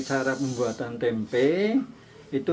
kepada pemerintah desa